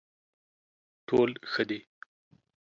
ټول ښه دي.